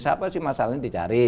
siapa sih masalahnya dicari